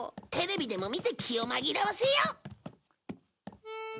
テレビでも見て気を紛らわせよう。